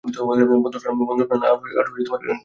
বন্দুকটা নাও, আর গ্রেনেডটা আমাকে দাও।